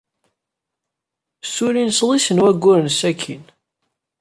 Ssullin sḍis n wayyuren sakkin.